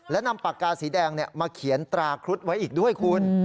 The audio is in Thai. และนำปากกาสีแดงมาเขียนตราครุฑไว้อีกด้วยคุณ